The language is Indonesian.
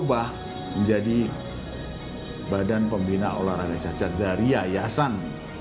berubah menjadi badan pembina olahraga cacat dari yayasan